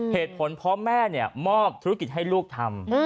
เหตุผลว่าแม่เนี่ยมอบธุรกิจให้ลูกทำ